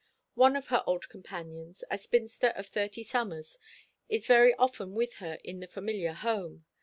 One of her old companions, a spinster of thirty summers, is very often with her in the familiar home.